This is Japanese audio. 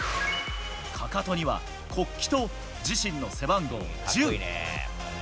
かかとには国旗と自身の背番号１０。